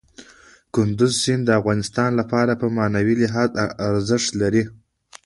کندز سیند د افغانانو لپاره په معنوي لحاظ ارزښت لري.